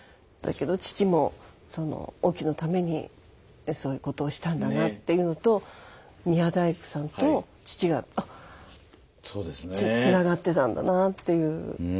だけど父もその隠岐のためにそういうことをしたんだなっていうのと宮大工さんと父があっつながってたんだなあっていう。